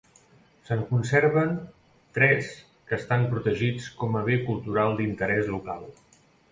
Se'n conserven tres que estan protegits com a bé cultural d'interès local.